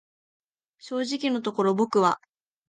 正直のところ僕は、